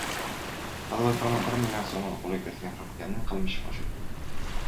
Tadbirkorning bir mlrd so‘mini qo‘lga kiritgan firibgarning qilmishi fosh etildi